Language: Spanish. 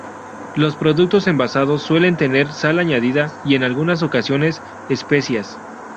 Los productos envasados suelen tener sal añadida, y en algunas ocasiones especias.